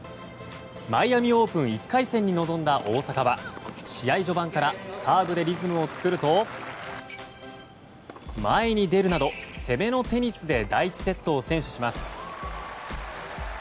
マイアミオープン１回戦に臨んだ大坂は試合序盤からサーブでリズムを作ると前に出るなど、攻めのテニスで第１セットを先取します。